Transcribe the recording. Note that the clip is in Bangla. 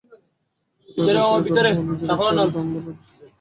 সত্তরের দশকে বের হওয়া নিজের একটা অ্যালবাম ভালোবেসে দিয়েছিলেন আশা ভোঁসলে।